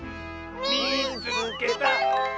「みいつけた！」。